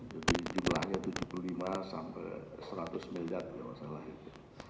jadi jumlahnya tujuh puluh lima sampai seratus miliar kalau salah itu